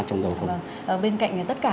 trong giao thông bên cạnh tất cả